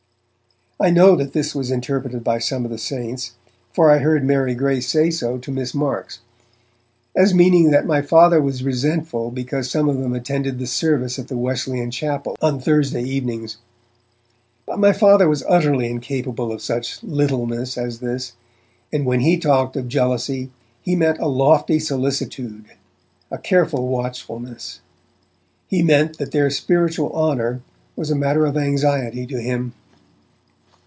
I know that this was interpreted by some of the saints, for I heard Mary Grace say so to Miss Marks as meaning that my Father was resentful because some of them attended the service at the Wesleyan chapel on Thursday evenings. But my Father was utterly incapable of such littleness as this, and when he talked of 'jealousy' he meant a lofty solicitude, a careful watchfulness. He meant that their spiritual honour was a matter of anxiety to him.